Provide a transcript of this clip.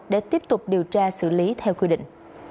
để tiếp tục điều tra xử lý theo quy định